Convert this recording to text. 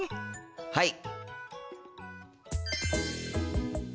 はい！